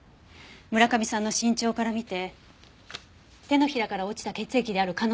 村上さんの身長から見て手のひらから落ちた血液である可能性が高い。